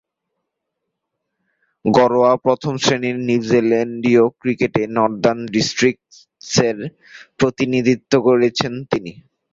ঘরোয়া প্রথম-শ্রেণীর নিউজিল্যান্ডীয় ক্রিকেটে নর্দার্ন ডিস্ট্রিক্টসের প্রতিনিধিত্ব করেছেন তিনি।